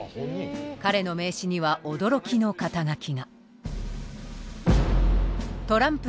彼の名刺には驚きの肩書が。